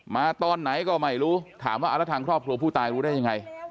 ตอนไหนก็ไม่รู้ถามว่าแล้วทางครอบครัวผู้ตายรู้ได้ยังไง